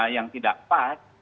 yang tidak pas